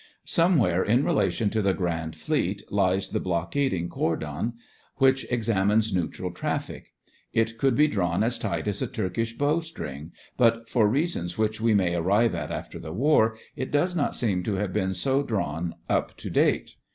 Somewhere in relation to the Grand Fleet lies the "blockading" cordon which examines neutral traffic. It could be drawn as tight as a Turkish bowstring, but for reasons which we may arrive at after the war, it does not seem to have been so drawn up to date.